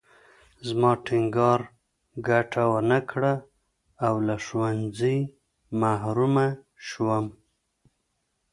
زما ټینګار ګټه ونه کړه او له ښوونځي محرومه شوم